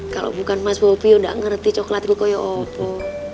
kalau bukan mas bubi udah gak ngerti coklat itu kayak apa